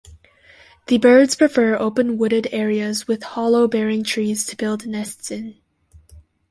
The birds prefer open wooded areas with hollow-bearing trees to build nests in.